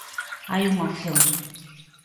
Hai unha opción.